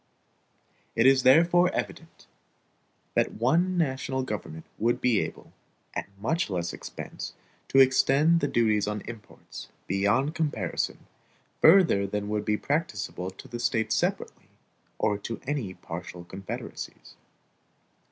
It is therefore evident, that one national government would be able, at much less expense, to extend the duties on imports, beyond comparison, further than would be practicable to the States separately, or to any partial confederacies.